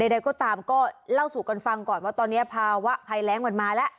ใดก็ตามก็เล่าสู่กันฟังก่อนว่าตอนนี้ภาวะภัยแรงมันมาแล้ว